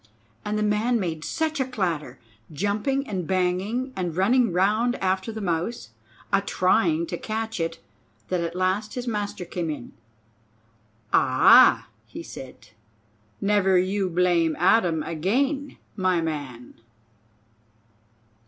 And the man made such a clatter, jumping and banging and running round after the mouse, a trying to catch it, that at last his master came in. "Ah!" he said; "never you blame Adam again, my man!"